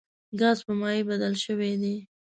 ګاز په مایع بدل شوی دی.